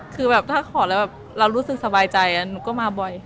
คือแบบถ้าขอแล้วแบบเรารู้สึกสบายใจหนูก็มาบ่อย